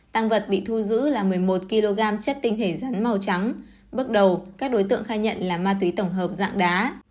tăng vật bị thu giữ là một mươi một kg chất tinh thể rắn màu trắng bước đầu các đối tượng khai nhận là ma túy tổng hợp dạng đá